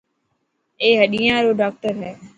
اي هڏيان رو ڊاڪٽر هي.